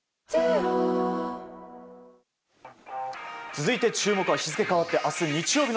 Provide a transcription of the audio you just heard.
続いて注目は日付変わって明日